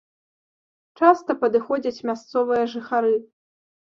Часта падыходзяць мясцовыя жыхары.